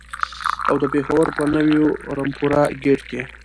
او د پېښور په نیو رمپوره ګېټ کې.